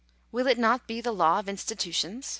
Will it not be the law of institutions